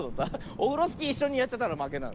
オフロスキーいっしょにやっちゃったらまけなんだ。